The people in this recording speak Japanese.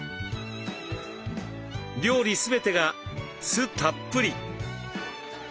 料理全てが酢たっぷり。